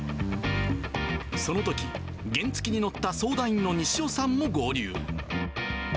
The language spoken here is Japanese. そのとき、原付に乗った相談員の西尾さんも合流。